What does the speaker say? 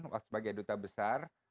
waktu sebagai duta besar